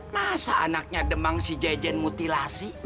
masa anaknya demang si jai jain mutilasi